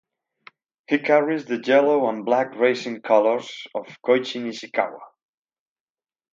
He carries the yellow and black racing colours of Koichi Nishikawa.